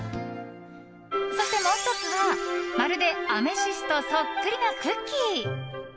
そしてもう１つは、まるでアメジストそっくりなクッキー。